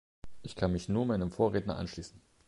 Ich kann mich nur meinem Vorredner anschließen.